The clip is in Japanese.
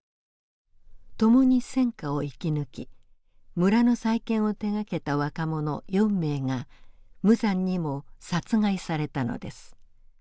共に戦火を生き抜き村の再建を手がけた若者４名が無残にも殺害されたのです。